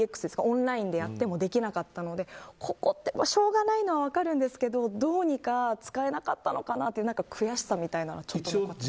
オンラインでやってもできなかったのでここはしょうがないのは分かるんですけどどうにか使えなかったのかなと悔しさみたいなのはあります。